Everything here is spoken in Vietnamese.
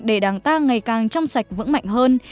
để đảng ta ngày càng trong sạch vững mạnh hơn